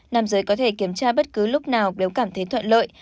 nằm dưới có thể kiểm tra bất cứ lúc nào đều cảm thấy thuận lợi